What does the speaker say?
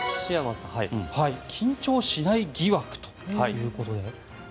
緊張しない疑惑ということで。